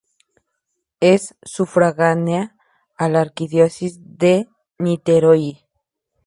Es sufragánea a la Arquidiócesis de Niterói.